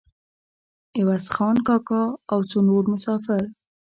عوض خان کاکا او څو نور مسافر.